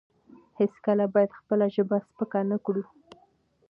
هیڅکله باید خپله ژبه سپکه نه کړو.